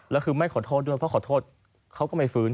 แล้วคือไม่ขอโทษด้วยเพราะขอโทษเขาก็ไม่ฟื้น